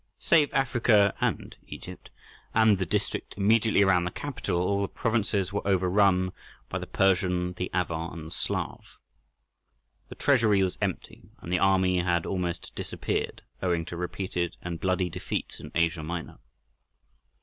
Save Africa and Egypt and the district immediately around the capital, all the provinces were overrun by the Persian, the Avar, and the Slav. The treasury was empty, and the army had almost disappeared owing to repeated and bloody defeats in Asia Minor.